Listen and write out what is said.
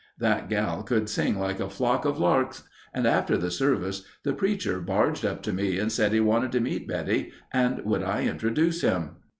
That gal could sing like a flock of larks and after the service the preacher barged up to me and said he wanted to meet Betty and would I introduce him.